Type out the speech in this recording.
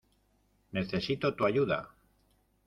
Necesito tu ayuda.